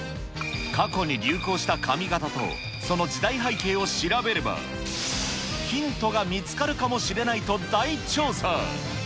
過去に流行した髪形と、その時代背景を調べれば、ヒントが見つかるかもしれないと大調査。